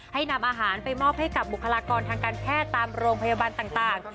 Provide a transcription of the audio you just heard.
ให้นำอาหารไปมอบให้กับบุคลากรทางการแพทย์ตามโรงพยาบาลต่าง